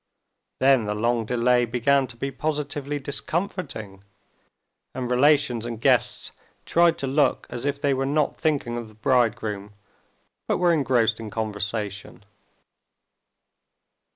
Then the long delay began to be positively discomforting, and relations and guests tried to look as if they were not thinking of the bridegroom but were engrossed in conversation.